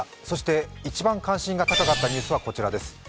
そして一番関心が高かったニュースはこちらです。